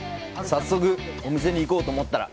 早速、お店に行こうと思ったら。